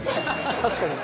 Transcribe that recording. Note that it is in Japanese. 確かに。